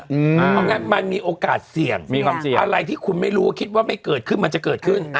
วันงั้นมันมีโอกาสเสี่ยงอะไรที่คุณไม่รู้คิดว่าไม่เกิดขึ้นมันจะเกิดขึ้น